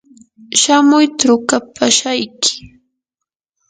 shamuy trukapashayki.